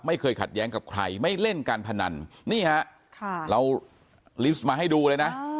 ไม่เคยขัดแย้งกับใครไม่เล่นการพนันนี่ฮะเราลิสต์มาให้ดูเลยนะ